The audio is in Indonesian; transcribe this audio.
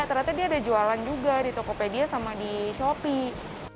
ternyata dia ada jualan juga di tokopedia sama di shopee